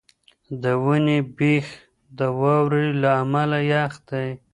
د ونې بېخ د واورې له امله یخ دی.